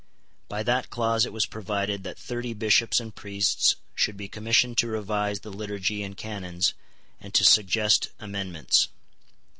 By that clause it was provided that thirty Bishops and priests should be commissioned to revise the liturgy and canons, and to suggest amendments.